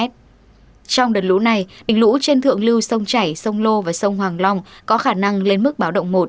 trong đợt lũ này đỉnh lũ trên thượng lưu sông chảy sông lô và sông hoàng long có khả năng lên mức báo động một